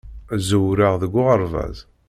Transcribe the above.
Ẓewren deg uɣerbaz.